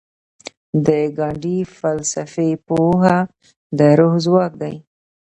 د ګاندي فلسفي پوهه د روح ځواک دی.